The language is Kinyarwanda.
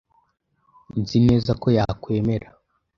Nzi neza ko yakwemera.